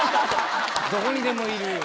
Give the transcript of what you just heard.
どこにでもいる。